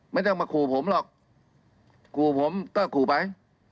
ไม่ต้องมาขู่ผมหรอกขู่ผมก็ขู่ไป